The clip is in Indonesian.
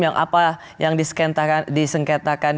yang apa yang disengketakan